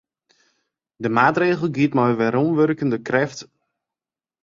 De maatregel giet yn mei weromwurkjende krêft.